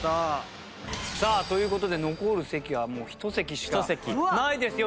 さあという事で残る席は１席しかないですよ！